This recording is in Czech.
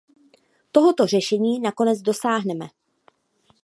Tohoto řešení nakonec dosáhneme.